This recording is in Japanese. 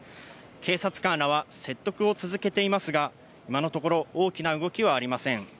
警察官らは説得を続けていますが、今のところ大きな動きはありません。